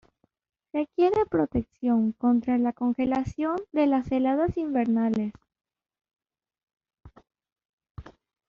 Requiere protección contra la congelación de las heladas invernales.